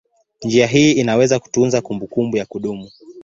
Njia hii inaweza kutunza kumbukumbu ya kudumu.